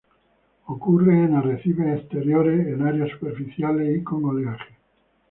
Ocurre en arrecifes exteriores, en áreas superficiales y con oleaje.